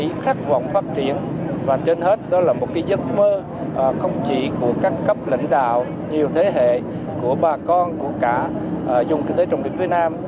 nhiệm vụ này khát vọng phát triển và trên hết đó là một cái giấc mơ không chỉ của các cấp lãnh đạo nhiều thế hệ của bà con của cả dùng kinh tế trọng định phía nam